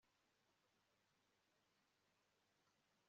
gutwikira no kumenesha abatutsi mu gihugu